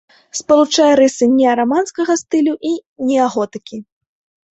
Спалучае рысы неараманскага стылю і неаготыкі.